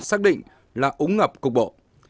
xác định là úng ngập cục bộ